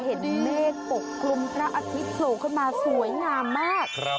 เห็นเมฆปกคลุมพระอาทิตย์โผล่ขึ้นมาสวยงามมาก